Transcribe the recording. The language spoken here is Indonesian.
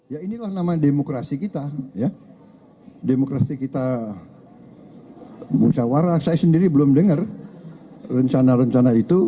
ya inilah nama demokrasi kita demokrasi kita musyawarah saya sendiri belum dengar rencana rencana itu